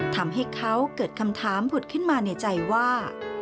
ทำให้เขาเกิดคำถามผุดขึ้นมาในใจว่า